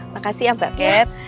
makasih ya mbak kat